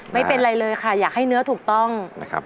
ไม่เป็นไรเลยค่ะอยากให้เนื้อถูกต้องนะครับ